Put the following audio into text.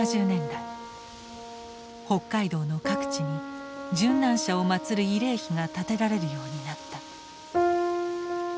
北海道の各地に殉難者を祀る慰霊碑が建てられるようになった。